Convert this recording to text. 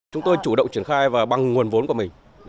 chúng tôi chủ động triển khai và bằng nguồn vốn của mình